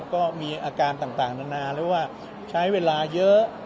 ก็มีอาการต่างนานาหรือว่าใช้เวลาเยอะ